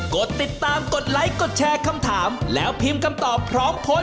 กดติดตามกดไลค์กดแชร์คำถามแล้วพิมพ์คำตอบพร้อมโพสต์